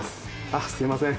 あっすいません。